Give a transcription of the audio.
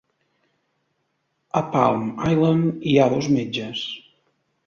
A Palm Island hi ha dos metges.